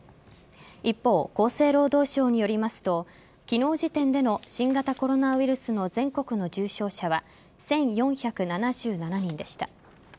一方、厚生労働省によりますと昨日時点での新型コロナウイルスの全国の重症者は１４７７人でした。